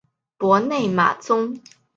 博内马宗。